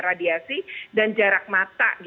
radiasi dan jarak mata